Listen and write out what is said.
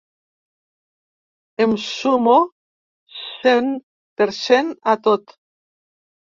Em sumo cent per cent a tot.